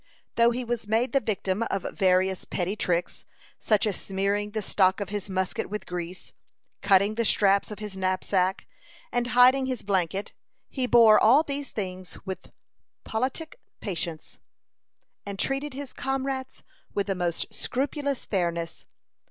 Though he was made the victim of various petty tricks, such as smearing the stock of his musket with grease, cutting the straps of his knapsack, and hiding his blanket, he bore all these things with politic patience, and treated his comrades with the most scrupulous fairness.